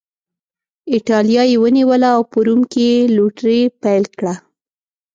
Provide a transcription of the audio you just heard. اېټالیا یې ونیوله او په روم کې یې لوټري پیل کړه